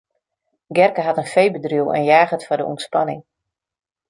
Gerke hat in feebedriuw en jaget foar de ûntspanning.